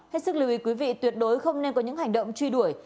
hết sức lưu ý quý vị tuyệt đối không nên có những hành động truy đuổi